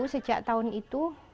sejak tahun itu